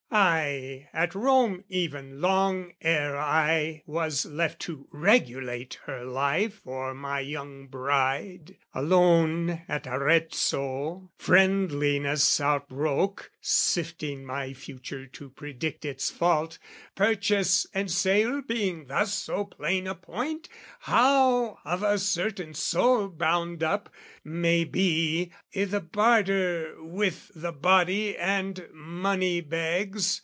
Ay, at Rome even, long ere I was left To regulate her life for my young bride Alone at Arezzo, friendliness outbroke (Sifting my future to predict its fault) "Purchase and sale being thus so plain a point "How of a certain soul bound up, may be, "I' the barter with the body and money bags?